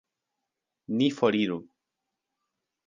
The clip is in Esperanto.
Ni foriru!